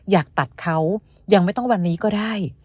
อยากตัดเขายังไม่ต้องวันนี้ก็ได้